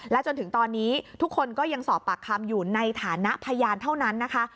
จนถึงตอนนี้ทุกคนก็ยังสอบปากคำอยู่ในฐานะพยานเท่านั้นนะคะ